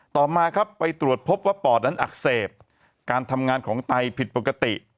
ต่อมาครับไปตรวจพบว่าปอดนั้นอักเสบการทำงานของไตผิดปกติ